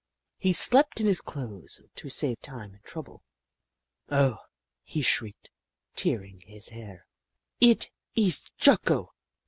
He slept in his clothes to save time and trouble. " Oh," he shrieked, tearing his hair, " eet ees Jocko!